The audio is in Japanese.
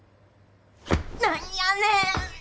何やねん！